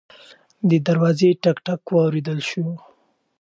د دروازې ټک ټک واورېدل شو.